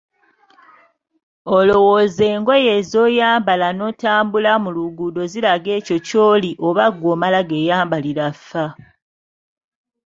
Olowooza engoye z‘oyambala n‘otambula mu luguudo ziraga ekyo ky‘oli oba ggwe omala geyambalira faa?